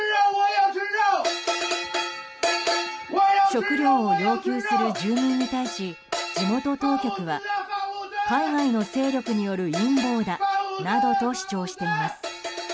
食料を要求する住民に対し地元当局は海外の勢力による陰謀だなどと主張しています。